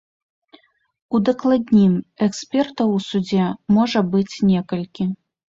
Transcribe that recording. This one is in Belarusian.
Удакладнім, экспертаў у судзе можа быць некалькі.